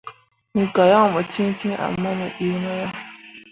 Me gah yaŋ ɓo cẽecẽe ama me ɗii mo ah.